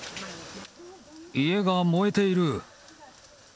家が燃えている。